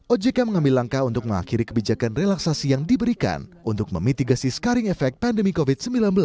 ojk mengambil langkah untuk mengakhiri kebijakan relaksasi yang diberikan untuk memitigasi scaring efek pandemi covid sembilan belas